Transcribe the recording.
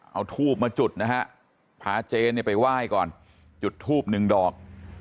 เอาทูบมาจุดนะฮะพาเจนไปไหว้ก่อนจุดทูบ๑ดอก